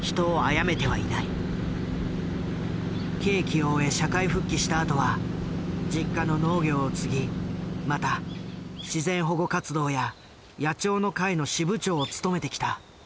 刑期を終え社会復帰したあとは実家の農業を継ぎまた自然保護活動や野鳥の会の支部長を務めてきた。